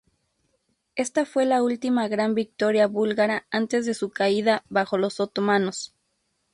Esta fue la última gran victoria búlgara antes de su caída bajo los otomanos.